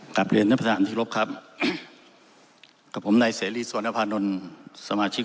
กลับเรียนณประธานทิศลบครับกับผมนายเสรียสวนภานนสมาชิก